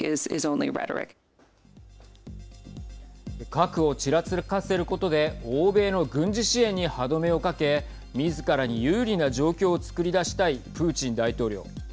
核をちらつかせることで欧米の軍事支援に歯止めをかけみずからに優利な状況を作り出したいプーチン大統領。